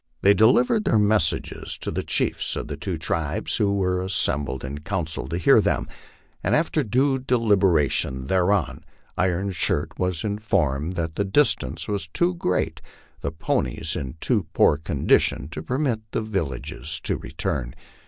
They deliv ered their messages to the chiefs of the two tribes, who were assembled in ^council to hear them, and after due deliberation thereon, Iron Shirt was in formed that the distance was too great, the ponies in too poor condition, to permit the villages to return.